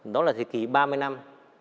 đó là thời kỳ ba mươi năm